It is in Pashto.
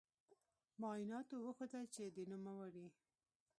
معایناتو وښوده چې د نوموړې